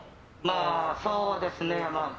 そうですね。